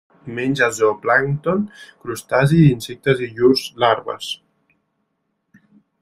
Menja zooplàncton, crustacis i insectes i llurs larves.